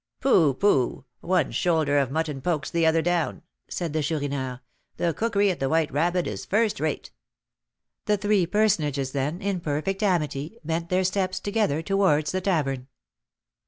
"Pooh! pooh! one shoulder of mutton pokes the other down," said the Chourineur; "the cookery at the White Rabbit is first rate." The three personages then, in perfect amity, bent their steps together towards the tavern.